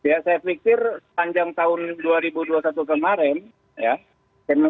ya saya pikir sepanjang tahun dua ribu dua puluh satu kemarin ya